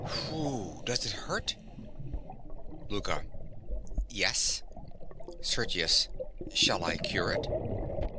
_) Ffff! Does it hurt? LOUKA. Yes. SERGIUS. Shall I cure it?